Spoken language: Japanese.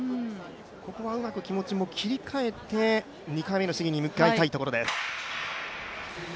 ここはうまく気持ちも切り替えて２回目の試技に向かいたいところです。